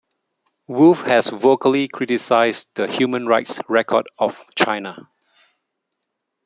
Wolf has vocally criticized the human rights record of China.